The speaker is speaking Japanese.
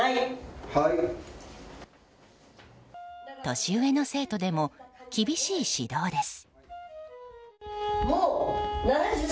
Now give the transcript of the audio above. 年上の生徒でも厳しい指導です。